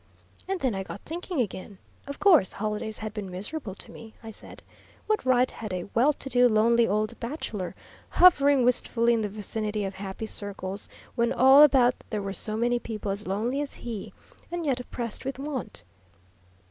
"And then I got thinking again. Of course, holidays had been miserable to me, I said. What right had a well to do, lonely old bachelor hovering wistfully in the vicinity of happy circles, when all about there were so many people as lonely as he, and yet oppressed with want?